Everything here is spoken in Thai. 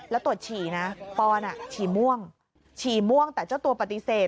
แล้วตรวจฉี่นะปอนฉี่ม่วงฉี่ม่วงแต่เจ้าตัวปฏิเสธ